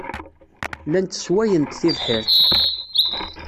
Llant sswayent tibḥirt.